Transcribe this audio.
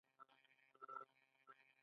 آیا دوی د سرو زرو او مسو په لټه نه دي؟